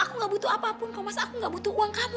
aku gak butuh apapun mas aku gak butuh uang kamu